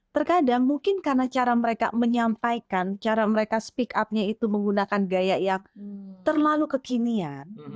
terkadang mungkin karena cara mereka menyampaikan cara mereka speak up nya itu menggunakan gaya yang terlalu kekinian